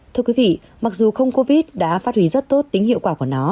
thưa quý vị mặc dù không covid đã phát huy rất tốt tính hiệu quả của nó